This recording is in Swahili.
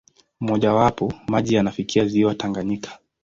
Mmojawapo, maji yanafikia ziwa Tanganyika.